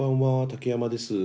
竹山です。